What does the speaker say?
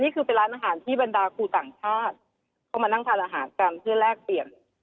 นี่คือเป็นร้านอาหารที่บรรดาครูต่างชาติเข้ามานั่งทานอาหารกันเพื่อแลกเปลี่ยน